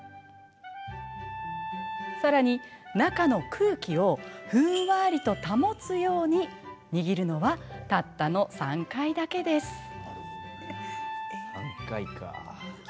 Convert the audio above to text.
更に中の空気をふんわりと保つように握るのはたったの３回だけです。